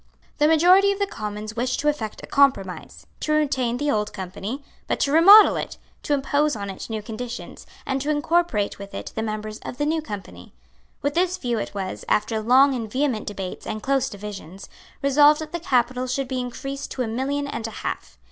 The majority of the Commons wished to effect a compromise, to retain the Old Company, but to remodel it, to impose on it new conditions, and to incorporate with it the members of the New Company. With this view it was, after long and vehement debates and close divisions, resolved that the capital should be increased to a million and a half.